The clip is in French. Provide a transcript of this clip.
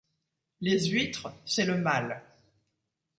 Les huîtres c’est le mal.